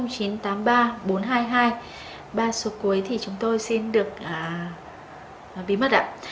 ba số cuối thì chúng tôi xin được bí mật ạ